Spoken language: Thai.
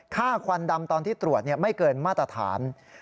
ควันดำตอนที่ตรวจไม่เกินมาตรฐาน